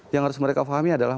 yang harus mereka pahami adalah